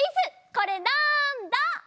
これなんだ？